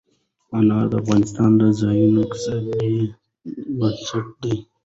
انار د افغانستان د ځایي اقتصادونو بنسټ دی.